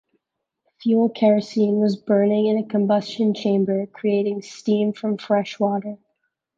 Fuel kerosene was burning in a combustion-chamber, creating steam from fresh water.